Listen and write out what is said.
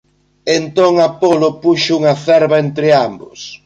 Entón Apolo puxo unha cerva entre ambos.